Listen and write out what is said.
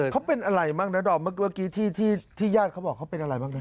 เขาเป็นอะไรบ้างนะดอมเมื่อกี้ที่ญาติเขาบอกเขาเป็นอะไรบ้างนะ